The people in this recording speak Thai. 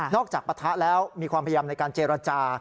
จากปะทะแล้วมีความพยายามในการเจรจา